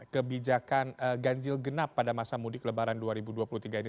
kebijakan ganjil genap pada masa mudik lebaran dua ribu dua puluh tiga ini